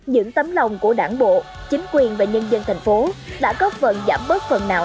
những tấm lòng của đảng bộ chính quyền và nhân dân thành phố đã góp phần giảm bớt phần nào